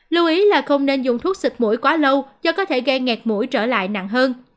lưu ý là không nên dùng thuốc xịt mũi quá lâu do có thể gây ngạt mũi trở lại nặng hơn